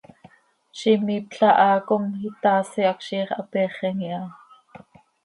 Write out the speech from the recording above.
Ziix imiipla haa com itaasi hac ziix hapeexem iha.